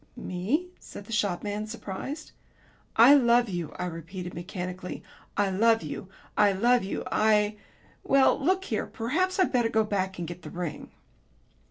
'" "Me?" said the shopman, surprised. "I love you," I repeated mechanically. "I love you. I love you, I Well, look here, perhaps I'd better go back and get the ring."